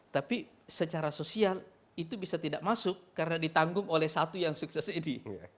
tapi secara sosial itu bisa tidak masuk karena ditanggung oleh satu yang sukses ini